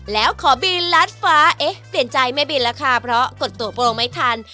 แล้วขอบินลัดฟ้าเอ๊ะเปลี่ยนใจไม่บินแล้วค่ะเพราะกดตัวโปรงไม่ทัน